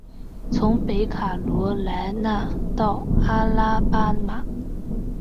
从北卡罗来纳到阿拉巴马。